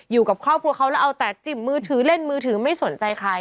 อยู่กับครอบครัวเขาแล้วเอาแต่จิ่มมือถือเล่นมือถือไม่สนใจใคร